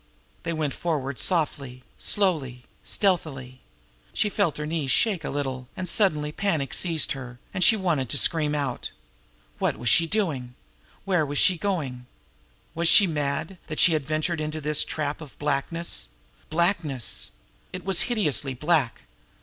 They went forward softly, slowly, stealthily. She felt her knees shake a little, and suddenly panic seized her, and she wanted to scream out. What was she doing? Where was she going? Was she mad, that she had ventured into this trap of blackness? Blackness! It was hideously black.